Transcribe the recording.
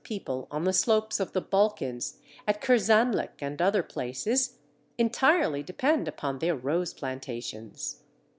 Some 12,000 people on the slopes of the Balkans, at Kerzanlik and other places, entirely depend upon their rose plantations.